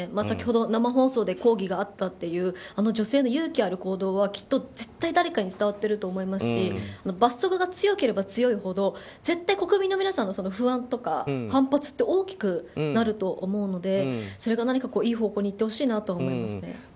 先ほど生放送で抗議があったというあの女性の勇気ある行動は絶対誰かに伝わってると思いますし罰則が強ければ強いほど絶対国民の皆さんの不安とか反発って大きくなると思うのでそれが何かいい方向に行ってほしいなと思います。